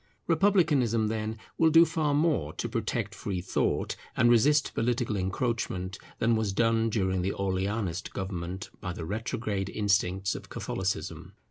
Republicanism then, will do far more to protect free thought, and resist political encroachment, than was done during the Orleanist government by the retrograde instincts of Catholicism.